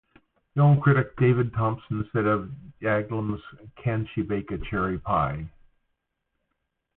Film critic David Thomson said of Jaglom's Can She Bake a Cherry Pie?